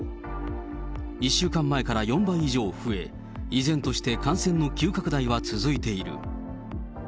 １週間前から４倍以上増え、依然として感染の急拡大は続いている。